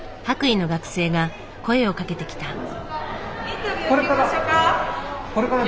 白衣の学生が声をかけてきた。